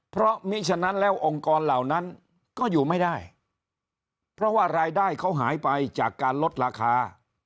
เพราะมิฉะนั้นแล้วองค์กรเหล่านั้นก็อยู่ไม่ได้เพราะว่ารายได้เขาหายไปจากการลดราคา